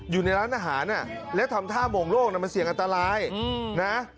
อยู่ในร้านอาหารและทำท่าโมงโลกมันเสี่ยงอันตรายนะ